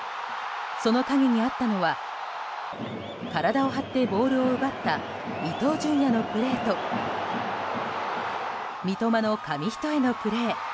その陰にあったのは体を張ってボールを奪った伊東純也のプレーと三笘の紙一重のプレー。